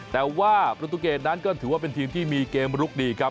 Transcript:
แต่ว่าประตูเกรดนั้นก็ถือว่าเป็นทีมที่มีเกมลุกดีครับ